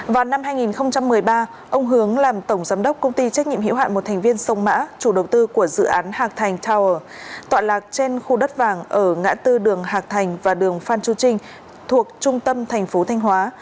vào năm hai nghìn một mươi ba ông hướng làm tổng giám đốc công ty trách nhiệm hiệu hạn một thành viên sông mã chủ đầu tư của dự án hạc thành tower tọa lạc trên khu đất vàng ở ngã tư đường hạc thành và đường phan chu trinh thuộc trung tâm thành phố thanh hóa